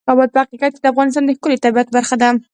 کابل په حقیقت کې د افغانستان د ښکلي طبیعت برخه ده.